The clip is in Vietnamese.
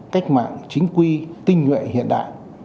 cách mạng chính quy tinh nhuệ hiện đại